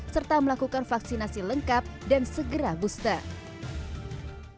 serta melakukan vaksinasi lengkap dan segera booster